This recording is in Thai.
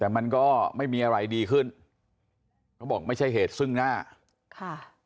แต่มันก็ไม่มีอะไรดีขึ้นเขาบอกไม่ใช่เหตุซึ่งหน้าค่ะ